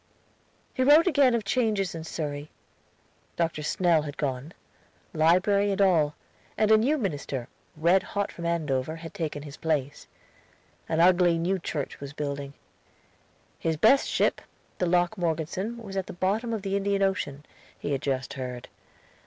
He wrote again of changes in Surrey. Dr. Snell had gone, library and all, and a new minister, red hot from Andover, had taken his place. An ugly new church was building. His best ship, the Locke Morgeson, was at the bottom of the Indian Ocean, he had just heard.